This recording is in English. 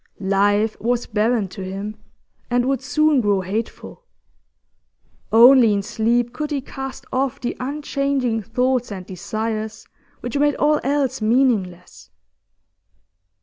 Life was barren to him, and would soon grow hateful; only in sleep could he cast off the unchanging thoughts and desires which made all else meaningless.